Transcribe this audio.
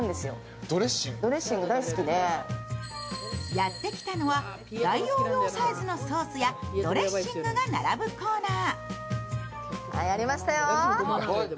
やってきたのは大容量サイズのソースやドレッシングが並ぶコーナー。